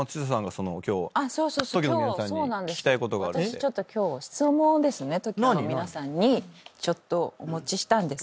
私今日質問をですねＴＯＫＩＯの皆さんにちょっとお持ちしたんです。